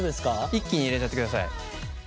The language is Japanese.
一気に入れちゃってください。